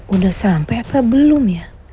udah sampai apa belum ya